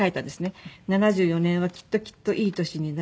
「７４年はきっときっといい年になる」